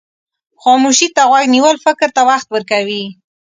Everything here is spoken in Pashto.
خاموشي ته غوږ نیول فکر ته وخت ورکوي.